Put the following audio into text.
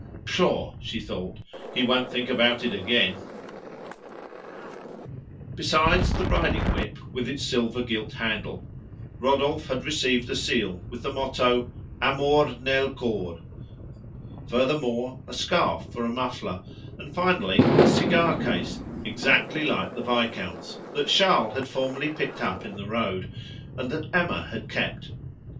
"Pshaw!" she thought, "he won't think about it again." Besides the riding whip with its silver gilt handle, Rodolphe had received a seal with the motto Amor nel cor; furthermore, a scarf for a muffler, and, finally, a cigar case exactly like the Viscount's, that Charles had formerly picked up in the road, and that Emma had kept.